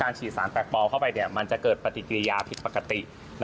ฉีดสารแปลกปลอมเข้าไปมันจะเกิดปฏิกิริยาผิดปกติ